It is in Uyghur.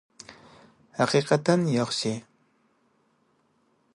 ھەقىقەتەن ياخشى!